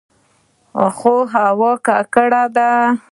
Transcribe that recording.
خو هوا ککړه ده.